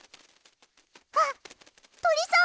あっとりさん！